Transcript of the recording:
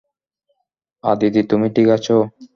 আদিতি তুমি ঠিক আছো?